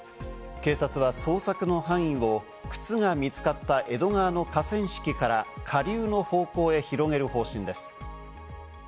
警察は捜索の範囲を靴が見つかった江戸川の河川敷から下流の方向へ広げる方針です。